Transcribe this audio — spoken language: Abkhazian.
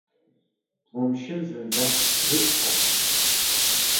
Думшьын зынӡа, дрыцҳауп.